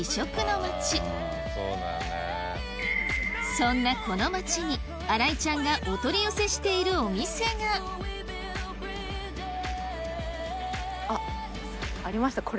そんなこの町に新井ちゃんがお取り寄せしているお店があっありました。